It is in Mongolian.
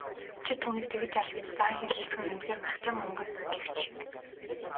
"Чи түүнийг тэгж ал" гэж заан хэлэлцэх нь үнэхээр махчин мангас гэгч шиг.